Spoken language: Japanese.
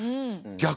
逆？